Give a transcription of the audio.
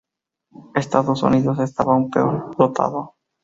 Estados Unidos estaba aún peor dotado.